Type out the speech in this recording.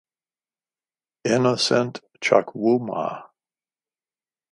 Innocent Chukwuma.